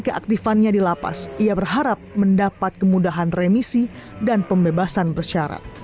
keaktifannya di lapas ia berharap mendapat kemudahan remisi dan pembebasan bersyarat